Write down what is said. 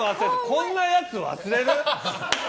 こんなやつ忘れる？